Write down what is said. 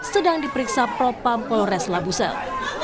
sedang diperiksa propam polres labusel